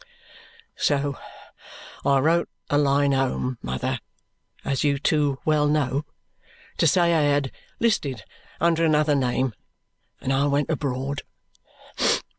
"So I wrote a line home, mother, as you too well know, to say I had 'listed under another name, and I went abroad.